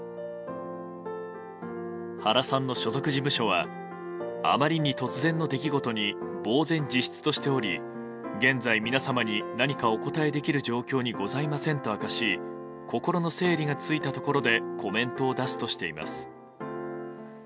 原さんの所属事務所はあまりに突然の出来事でぼうぜん自失としており現在、皆様に何かお答えできる状況にございませんと明かし心の整理がついたところコメントを出すとしています。